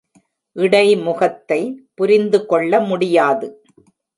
இடைமுகத்தை புரிந்துகொள்ள முடியாது.